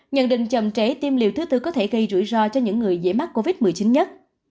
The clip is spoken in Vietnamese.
nhận định chậm trẻ tiêm liều thứ tư có thể gây rủi ro cho những người dễ mắc covid một mươi chín nhất